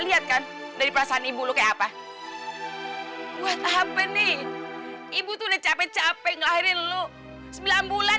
lihat kan dari perasaan ibu lu kayak apa buat apa nih ibu tuh udah capek capek ngelahirin lu sembilan bulan